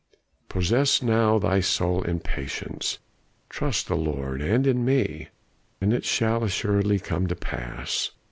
Possess now thy soul in patience, trust in the Lord and in me and it shall assuredly come to pass.